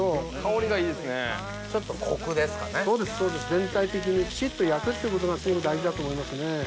全体的にきちっと焼くってことがすごく大事だと思いますね。